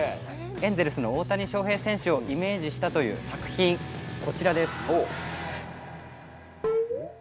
エンゼルスの大谷翔平選手をイメージしたという作品こちらです。